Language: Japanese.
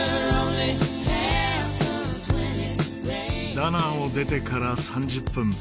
ダナンを出てから３０分。